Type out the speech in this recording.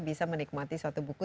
bisa menikmati suatu buku